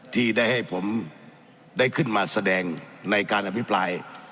ที่ได้ให้ผมได้ขึ้นมาแสดงในการอภิปราย